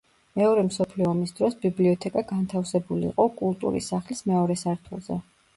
მეორე მსოფლიო ომის დროს ბიბლიოთეკა განთავსებული იყო კულტურის სახლის მეორე სართულზე.